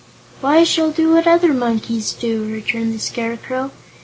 "Why, she'll eat what other monkeys do," returned the Scarecrow.